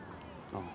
ああ。